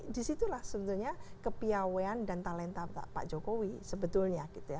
di situ lah sebenarnya kepiawean dan talenta pak jokowi sebetulnya